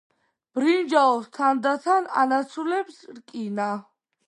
ბრინჯაოს თანდათან ანაცვლებს რკინა